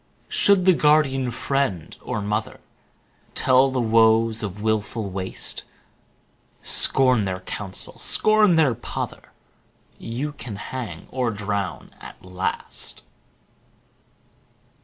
Should the guardian friend or mother 25 Tell the woes of wilful waste, Scorn their counsel, scorn their pother;— You can hang or drown at last!